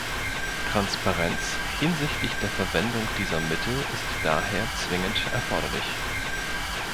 Transparenz hinsichtlich der Verwendung dieser Mittel ist daher zwingend erforderlich.